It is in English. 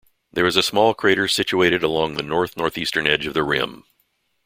There is a small crater situated along the north-northeastern edge of the rim.